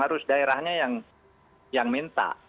harus daerahnya yang minta